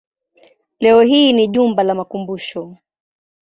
Leo hii ni jumba la makumbusho.